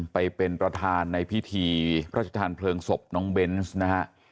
ไปเป็นประธานในพิธีพระราชทานเพลิงศพน้องเบนส์นะฮะ